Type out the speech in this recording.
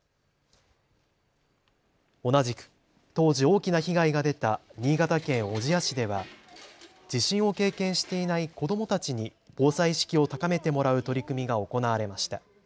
同じく当時、大きな被害が出た新潟県小千谷市では地震を経験していない子どもたちに防災意識を高めてもらう取り組みが行われました。